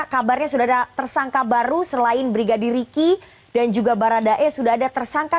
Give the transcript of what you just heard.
jadi sudah ada tersangka baru selain brigadir ricky dan juga baradae sudah ada tersangka